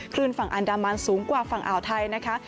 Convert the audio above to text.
ฝั่งอันดามันสูงกว่าฝั่งอ่าวไทยนะคะ